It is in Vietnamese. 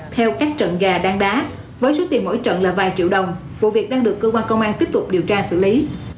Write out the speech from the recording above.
theo các trận gà đang đá với số tiền mỗi trận là vài triệu đồng vụ việc đang được cơ quan công an tiếp tục điều tra xử lý